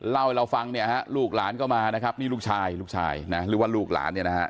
เล่าให้เราฟังลูกหลานก็มานะครับนี่ลูกชายลูกชายหรือว่าลูกหลาน